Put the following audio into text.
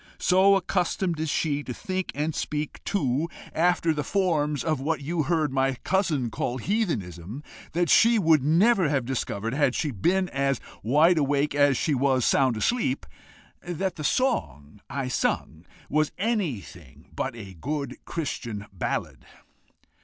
so accustomed is she to think and speak too after the forms of what you heard my cousin call heathenism, that she would never have discovered, had she been as wide awake as she was sound asleep, that the song I sung was anything but a good Christian ballad."